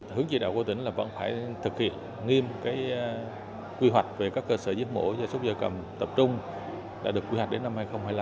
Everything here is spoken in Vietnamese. hướng chỉ đạo của tỉnh là vẫn phải thực hiện nghiêm quy hoạch về các cơ sở giết mổ gia súc gia cầm tập trung đã được quy hoạch đến năm hai nghìn hai mươi năm